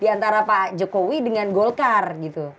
antara pak jokowi dengan golkar gitu